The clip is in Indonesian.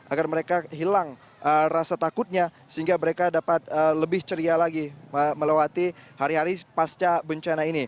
agar mereka hilang rasa takutnya sehingga mereka dapat lebih ceria lagi melewati hari hari pasca bencana ini